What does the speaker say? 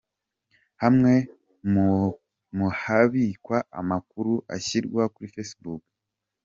Hamwe mu habikwa amakuru ashyirwa kuri Facebook.